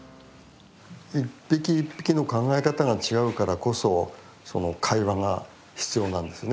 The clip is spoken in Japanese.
一匹一匹の考え方が違うからこそその会話が必要なんですね